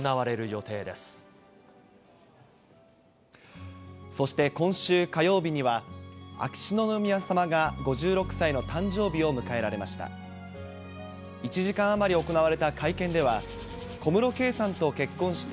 来年３月には、そして、今週火曜日には、秋篠宮さまが５６歳の誕生日を迎えられました。